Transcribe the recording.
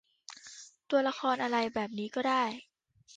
ตัวละครอะไรแบบนี้ก็ได้